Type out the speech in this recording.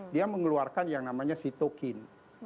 dia mengeluarkan yang namanya sitokin